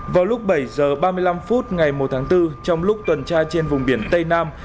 vào lúc bảy h ba mươi năm phút ngày một tháng bốn trong lúc tuần tra trên vùng biển tây nam